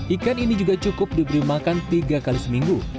ikan ini juga cukup diberi makan tiga kali seminggu